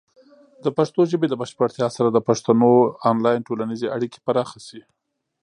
د پښتو ژبې د بشپړتیا سره، د پښتنو آنلاین ټولنیزې اړیکې پراخه شي.